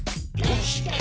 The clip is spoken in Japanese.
「どうして？